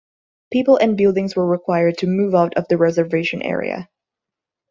People and buildings were required to move out of the reservation area.